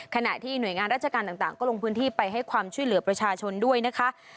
ขณะที่หน่วยงานราชการต่างก็ลงพื้นที่ไปให้ความช่วยเหลือประชาชนด้วยนะคะ